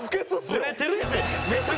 ブレてるやん。